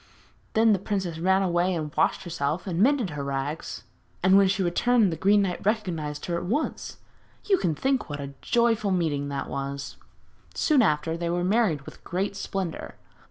Then the princess ran away and washed herself and mended her rags, and when she returned the Green Knight recognised her at once. You can think what a joyful meeting that was! Soon after, they were married with great splendour.